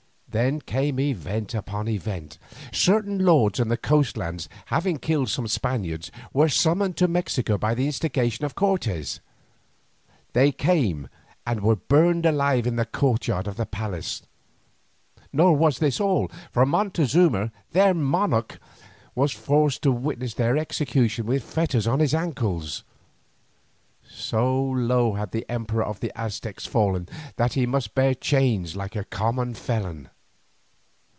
Then came event upon event. Certain lords in the coast lands having killed some Spaniards, were summoned to Mexico by the instigation of Cortes. They came and were burned alive in the courtyard of the palace. Nor was this all, for Montezuma, their monarch, was forced to witness the execution with fetters on his ankles. So low had the emperor of the Aztecs fallen, that he must bear chains like a common felon.